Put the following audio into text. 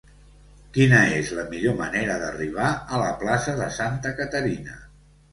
Quina és la millor manera d'arribar a la plaça de Santa Caterina?